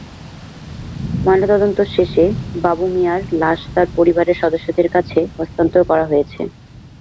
ময়নাতদন্ত শেষে বাবু মিয়ার লাশ তাঁর পরিবারের সদস্যদের কাছে হস্তান্তর করা হয়েছে।